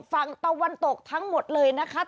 ฝั่งตะวันตกทั้งหมดเลยนะคะ